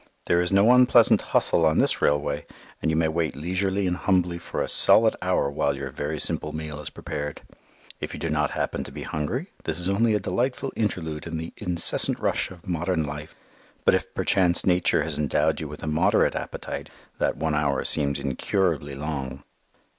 There is no unpleasant "hustle" on this railway, and you may wait leisurely and humbly for a solid hour while your very simple meal is prepared. If you do not happen to be hungry, this is only a delightful interlude in the incessant rush of modern life, but if perchance Nature has endowed you with a moderate appetite, that one hour seems incurably long.